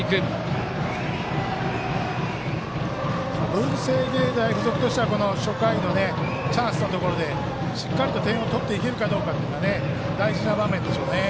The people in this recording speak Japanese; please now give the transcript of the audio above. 文星芸大付属としては初回のチャンスのところでしっかりと点を取っていけるかどうかというのは大事な場面でしょうね。